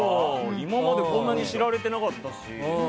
今までこんなに知られてなかったし。